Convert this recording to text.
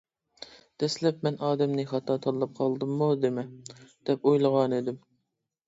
دەسلەپ «مەن ئادەمنى خاتا تاللاپ قالدىممۇ نېمە؟ » دەپ ئويلىغانىدىم.